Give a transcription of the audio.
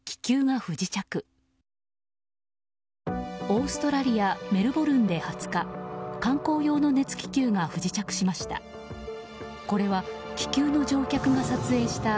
オーストラリア・メルボルンで２０日観光用の熱気球が不時着しました。